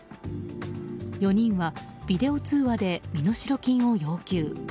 ４人はビデオ通話で身代金を要求。